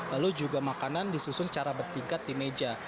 lalu juga makanan disusun secara bertingkat di meja